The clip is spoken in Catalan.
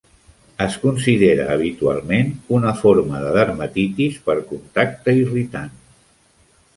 És considera habitualment una forma de dermatitis per contacte irritant.